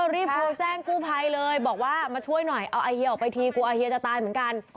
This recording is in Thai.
รีบโทรแจ้งกู้ภัยเลยบอกว่ามาช่วยหน่อยเอาไอเฮียออกไปทีกลัวอาเฮียจะตายเหมือนกัน